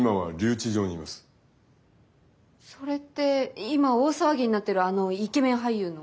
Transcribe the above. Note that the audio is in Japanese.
それって今大騒ぎになってるあのイケメン俳優の。